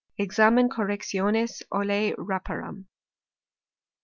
Examen correctionis olei raparum.